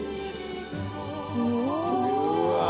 うわ。